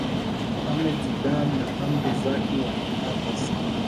mohammed zidane na amri zaki walitamba sana